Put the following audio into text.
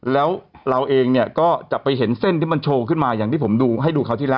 แล้วเราเองเนี่ยก็จะไปเห็นเส้นที่มันโชว์ขึ้นมาอย่างที่ผมดูให้ดูคราวที่แล้ว